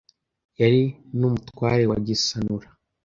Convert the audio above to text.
yari n’umutware wa Gisanura